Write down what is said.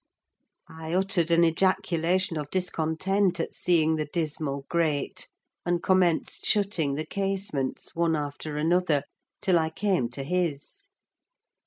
I uttered an ejaculation of discontent at seeing the dismal grate, and commenced shutting the casements, one after another, till I came to his.